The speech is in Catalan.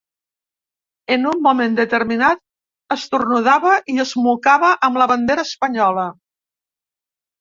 En un moment determinat, esternudava i es mocava amb la bandera espanyola.